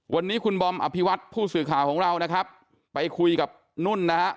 วันนี้คุณบอมอภิวัตผู้สื่อข่าวของเรานะครับไปคุยกับนุ่นนะฮะ